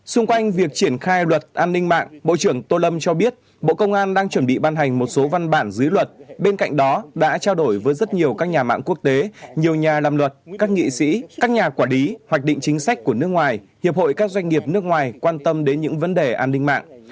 xung quanh việc triển khai luật an ninh mạng bộ trưởng tô lâm cho biết bộ công an đang chuẩn bị ban hành một số văn bản dưới luật bên cạnh đó đã trao đổi với rất nhiều các nhà mạng quốc tế nhiều nhà làm luật các nghị sĩ các nhà quản lý hoạch định chính sách của nước ngoài hiệp hội các doanh nghiệp nước ngoài quan tâm đến những vấn đề an ninh mạng